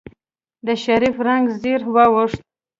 د شريف رنګ زېړ واوښت.